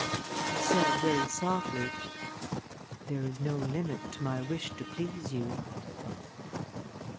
He said, very softly: "There is no limit to my wish to please you."